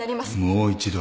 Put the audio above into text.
もう一度。